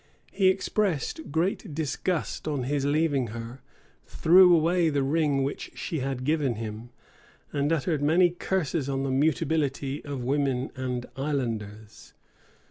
He expressed great disgust on his leaving her; threw away the ring which she had given him; and uttered many curses on the mutability of women and of islanders.